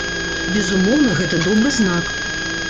Безумоўна, гэта добры знак.